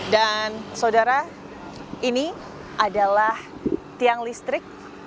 dan saudara ini adalah tiang listrik